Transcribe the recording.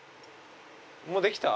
もうできた？